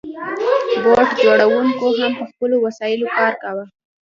بوټ جوړونکو هم په خپلو وسایلو کار کاوه.